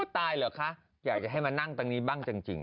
ตายเหรอคะอยากจะให้มานั่งตรงนี้บ้างจริง